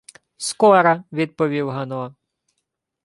— Скора, — відповів Гано.